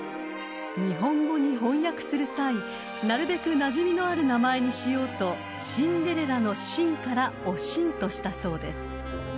［日本語に翻訳する際なるべくなじみのある名前にしようとシンデレラの「シン」から「おしん」としたそうです］